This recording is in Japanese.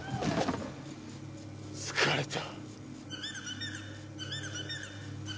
疲れた。